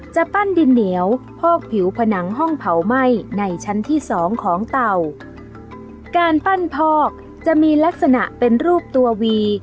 จะปั้นดินเหนียวพอกผิวผนังห้องเผาไหม้ในชั้นที่สองของเต่าการปั้นพอกจะมีลักษณะเป็นรูปตัววี